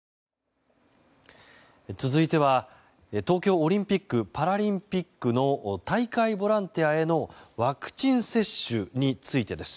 続いては東京オリンピック・パラリンピックの大会ボランティアへのワクチン接種についてです。